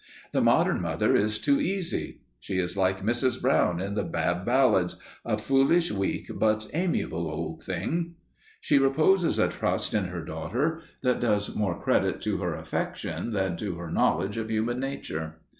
The modern mother is too easy. She is like Mrs. Brown in the Bab Ballads "a foolish, weak but amiable old thing." She reposes a trust in her daughter that does more credit to her affection than to her knowledge of human nature.